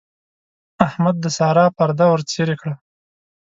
احمد د سارا پرده ورڅېرې کړه.